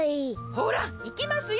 ほらいきますよ。